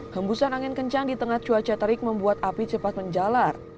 hembusan angin kencang di tengah cuaca terik membuat api cepat menjalar